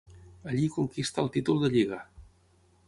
Allí conquista el títol de Lliga.